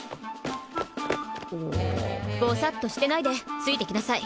ボサッとしてないでついてきなさい